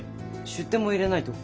出典も入れないと。